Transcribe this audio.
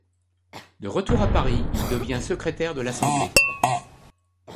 De retour à Paris, il devient secrétaire de l'assemblée.